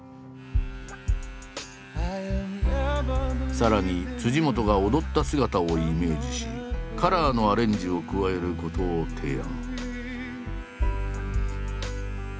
さらに本が踊った姿をイメージしカラーのアレンジを加えることを提案。